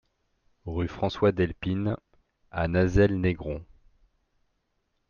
Rue François Delepine à Nazelles-Négron